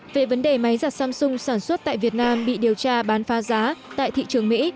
về vấn đề máy giặt samsung sản xuất tại việt nam bị điều tra bán phá giá tại thị trường mỹ